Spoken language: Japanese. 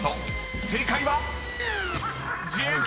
［正解は⁉］